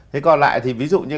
thế còn lại thì ví dụ như